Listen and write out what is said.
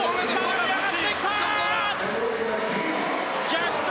逆転！